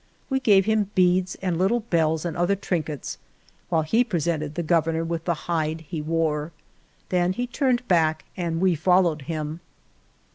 We gave him beads and little bells and other trinkets, while he presented the Governor with the hide he wore. Then he turned back and we followed him.